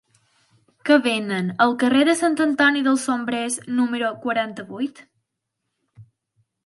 Què venen al carrer de Sant Antoni dels Sombrerers número quaranta-vuit?